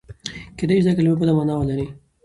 کېدای شي دا کلمه بله مانا ولري.